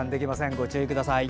ご注意ください。